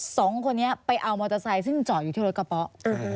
สองคนนี้ไปเอามอเตอร์ไซค์ซึ่งจอดอยู่ที่รถกระเป๋า